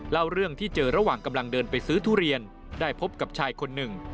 เล่าเรื่องที่เจอระหว่างกำลังเดินไปซื้อทุเรียนได้พบกับชายคนหนึ่ง